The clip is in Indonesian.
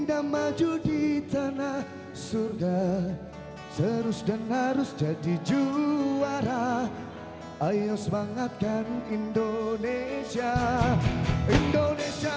memberikan warna yang bisa menjadi gelinda